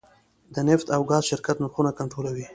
د نفت او ګاز شرکت نرخونه کنټرولوي؟